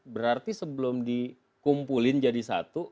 berarti sebelum dikumpulin jadi satu